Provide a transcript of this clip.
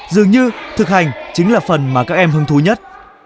dường như thực hành chính là phần mà các em hứng thú nhất